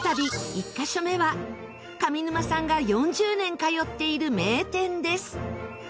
１カ所目は上沼さんが４０年通っている名店です。